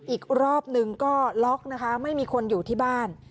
อีกรอบหนึ่งก็ล็อกนะคะไม่มีคนอยู่ที่บ้าน